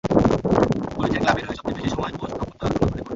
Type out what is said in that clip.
গড়েছেন ক্লাবের হয়ে সবচেয়ে বেশি সময় পোস্ট অক্ষত রাখার নতুন রেকর্ড।